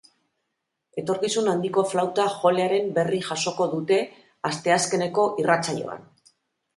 Etorkizun handiko flauta jolearen berri jasoko dute asteazkeneko irratsaioan.